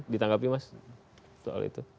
ditangkapi mas soal itu